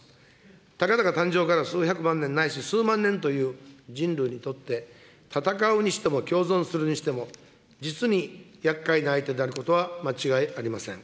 たかだか誕生から数百万年から数万年という人類にとって、戦うにしても共存するにしても、実にやっかいな相手であることは間違いありません。